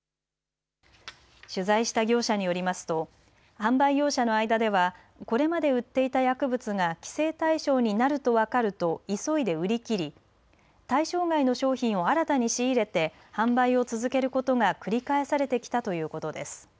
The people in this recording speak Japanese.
取材した業者によりますと販売業者の間ではこれまで売っていた薬物が規制対象になると分かると急いで売り切り対象外の商品を新たに仕入れて販売を続けることが繰り返されてきたということです。